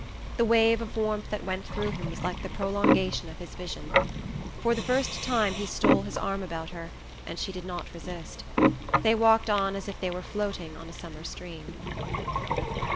The wave of warmth that went through him was like the prolongation of his vision. For the first time he stole his arm about her, and she did not resist. They walked on as if they were floating on a summer stream.